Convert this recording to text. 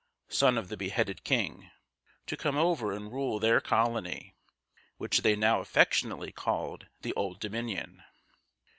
son of the beheaded king, to come over and rule their colony, which they now affectionately called "the Old Dominion."